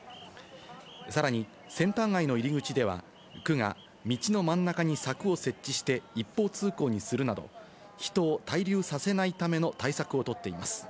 さらにセンター街の入り口では、区が道の真ん中に柵を設置して一方通行にするなど、人を滞留させないための対策を取っています。